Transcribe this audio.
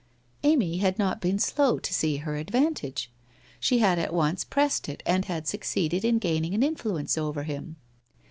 Amv had not been slow to see her advantage. She had at once pressed it and had succeeded in gaining an influence over him.